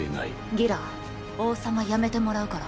ギラ王様やめてもらうから。